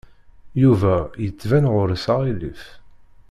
Yuba yettban ɣur-s aɣilif.